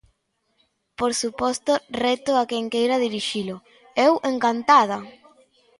Por suposto, reto a quen queira dirixilo, eu encantada!